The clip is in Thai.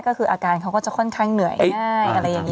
ก็คืออาการเขาก็จะค่อนข้างเหนื่อยง่ายอะไรอย่างนี้